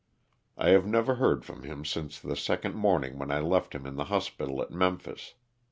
I have never heard from him since the second morning when I left him in the hospital at Memphis.